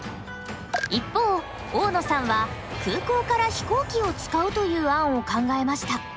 一方大野さんは空港から飛行機を使うという案を考えました。